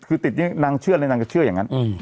คือติดนางเชื่อเลยนางก็เชื่ออย่างนั้น